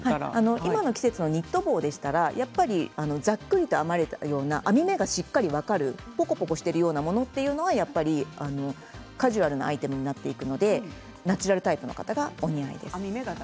今の季節のニット帽だったらざっくり編まれた編み目がしっかりぽこぽこしているようなものはカジュアルなアイテムなのでナチュラルタイプの方がお似合いです。